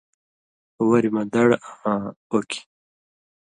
وریۡ مہ دڑ آں اوکیۡ۔